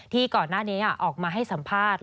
ก่อนหน้านี้ออกมาให้สัมภาษณ์